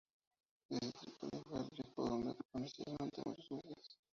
Desde Trípoli fue a Alepo, donde permaneció durante muchos meses.